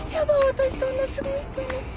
私そんなすごい人に。